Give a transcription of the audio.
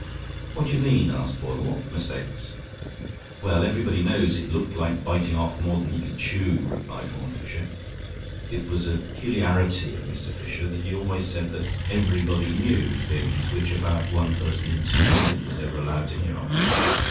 "What do you mean," asked Boyle, "what mistakes?" "Well, everybody knows it looked like biting off more than he could chew," replied Horne Fisher. It was a peculiarity of Mr. Fisher that he always said that everybody knew things which about one person in two million was ever allowed to hear of.